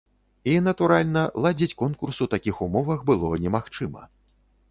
І, натуральна, ладзіць конкурс у такіх умовах было немагчыма.